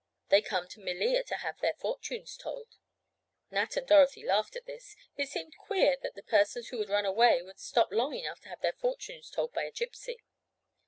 They come to Melea to have their fortunes told." Nat and Dorothy laughed at this. It seemed queer that persons who would run away would stop long enough to have their fortunes told by a Gypsy.